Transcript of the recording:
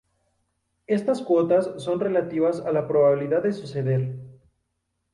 Estas cuotas son relativas a la probabilidad de suceder.